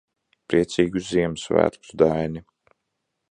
Priecīgus Ziemassvētkus, Daini.